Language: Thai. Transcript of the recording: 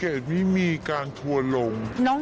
เกดไม่มีการทั่วลง